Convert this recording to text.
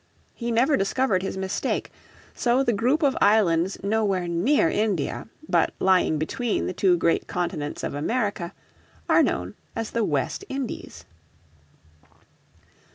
He never discovered his mistake, so the group of islands nowhere near India, but lying between the two great Continents of America, are known as the West Indies.